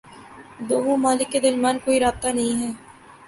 دو ممالک کے درمیان کوئی رابطہ نہیں ہے۔